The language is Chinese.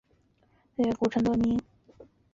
以境内元代集宁路古城得名。